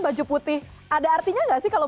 baju putih ada artinya nggak sih kalau